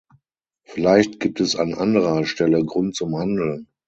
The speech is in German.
Vielleicht gibt es an anderer Stelle Grund zum Handeln.